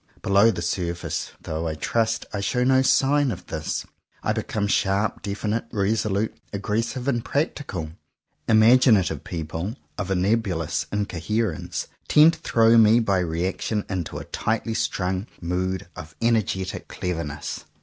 Below the surface, though I trust I show no sign of this, I become sharp, definite, resolute, aggressive and practical. Imaginative people of a nebulous incoherence, tend to throw me by reaction into a tightly strung mood of energetic cleverness.